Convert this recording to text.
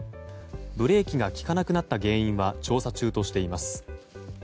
ブレーキが利かなくなった原因は調査中としています。